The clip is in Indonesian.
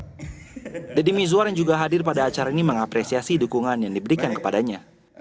deddy mizwar yang juga hadir pada acara ini mengapresiasi dukungan yang diberikan kepadanya